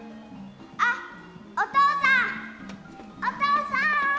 あっお父さんお父さーん！